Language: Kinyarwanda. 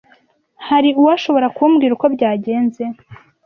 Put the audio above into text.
Hari uwashobora kumbwira uko byagenze?